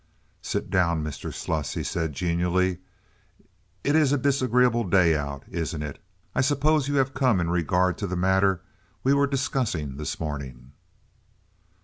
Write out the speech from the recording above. "Sit down, Mr. Sluss," he said, genially. "It's a disagreeable day out, isn't it? I suppose you have come in regard to the matter we were discussing this morning?"